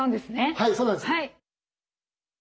はいそうなんです。